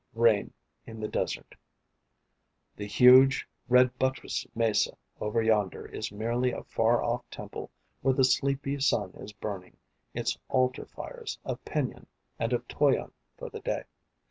RAIN IN THE DESERT The huge red buttressed mesa over yonder Is merely a far off temple where the sleepy sun is burning Its altar fires of pinyon and of toyon for the day.